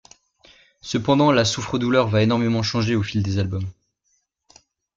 Cependant, la souffre-douleur va énormément changer au fil des albums.